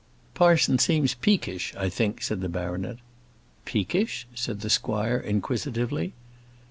"Parson seems peekish, I think," said the baronet. "Peekish?" said the squire, inquisitively.